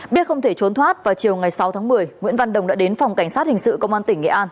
biết không thể trốn thoát vào chiều ngày sáu tháng một mươi nguyễn văn đồng đã đến phòng cảnh sát hình sự công an tỉnh nghệ an